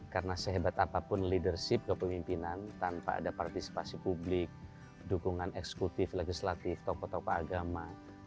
karena sehebat apapun leadership kepemimpinan tanpa ada partisipasi publik dukungan eksekutif legislatif tokoh tokoh agama